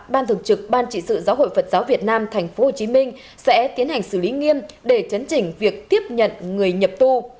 ban thường trực ban trị sự giáo hội phật giáo việt nam tp hcm sẽ tiến hành xử lý nghiêm để chấn chỉnh việc tiếp nhận người nhập tu